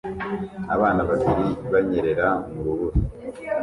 Abana babiri banyerera mu rubura